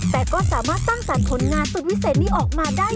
แต่ก็สามารถสร้างสรรค์ผลงานสุดวิเศษนี้ออกมาได้